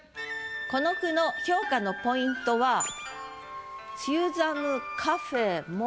この句の評価のポイントは「梅雨寒」「カフェ」「腿」